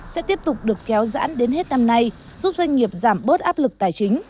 sẽ tiếp tục được kéo dãn đến hết năm nay giúp doanh nghiệp giảm bớt áp lực tài chính